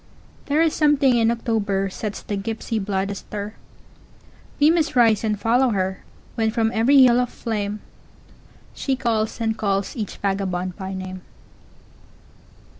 There is something in October sets the gypsy blood astir; We must rise and follow her, When from every hill of flameShe calls and calls each vagabond by name.